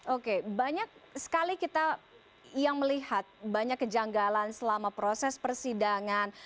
oke banyak sekali kita yang melihat banyak kejanggalan selama proses persidangan